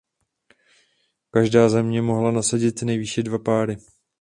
Každá země mohla nasadit nejvýše dva páry.